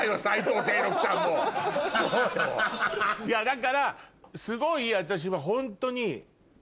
だからすごい私はホントに。